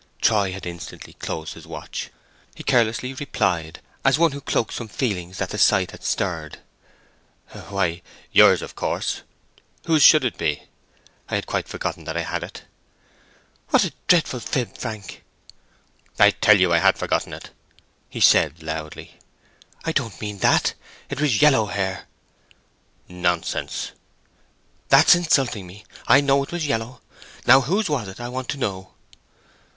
Troy had instantly closed his watch. He carelessly replied, as one who cloaked some feelings that the sight had stirred. "Why, yours, of course. Whose should it be? I had quite forgotten that I had it." "What a dreadful fib, Frank!" "I tell you I had forgotten it!" he said, loudly. "I don't mean that—it was yellow hair." "Nonsense." "That's insulting me. I know it was yellow. Now whose was it? I want to know."